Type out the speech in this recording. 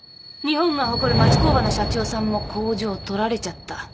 日本が誇る町工場の社長さんも工場取られちゃった。